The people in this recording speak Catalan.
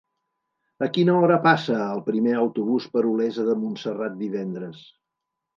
A quina hora passa el primer autobús per Olesa de Montserrat divendres?